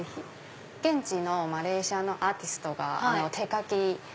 現地のマレーシアのアーティストが手書き。